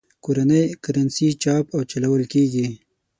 کورنۍ کرنسي چاپ او چلول کېږي.